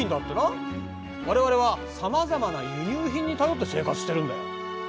われわれはさまざまな輸入品に頼って生活してるんだよ。